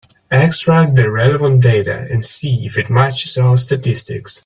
Extract the relevant data and see if it matches our statistics.